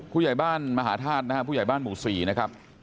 ผู้ใหญ่บ้านมหาธาตุนะครับผู้ใหญ่บ้านหมู่๔นะครับ